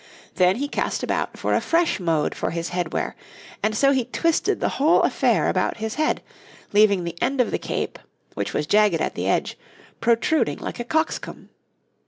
Then he cast about for a fresh mode for his head wear, and so he twisted the whole affair about his head, leaving the end of the cape, which was jagged at the edge, protruding like a cockscomb.